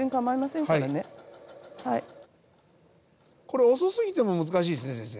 これ遅すぎても難しいですね先生。